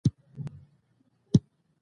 ټرمپ وویل، زه ویاړم چې د سولې لپاره هڅې کوم.